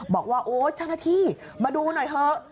บอกว่าโอ๊ยเจ้าหน้าที่มาดูหน่อยเถอะ